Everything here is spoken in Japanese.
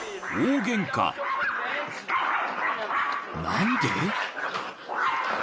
［何で？］